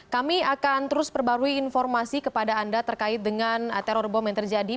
kami akan terus perbarui informasi kepada anda terkait dengan teror bom yang terjadi